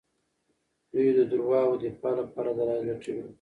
دوی د دروغو د دفاع لپاره دلايل لټوي.